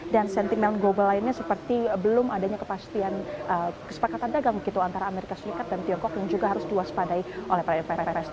dan sentimen global lainnya seperti belum adanya kepastian kesepakatan dagang antara amerika serikat dan tiongkok yang juga harus diwaspadai oleh prrs